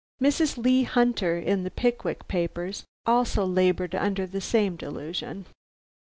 Mrs. Lee Hunter in the Pickwick Papers, also labored under the same delusion.